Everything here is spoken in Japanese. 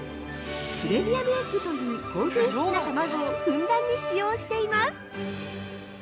プレミアムエッグという高品質な卵をふんだんに使用しています。